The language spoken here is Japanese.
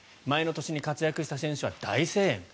前の年に活躍した選手は大声援。